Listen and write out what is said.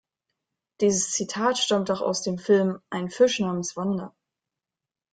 Dieses Zitat stammt doch aus dem Film „ein Fisch names Wanda“.